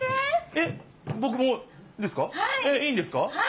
えっいいんですか？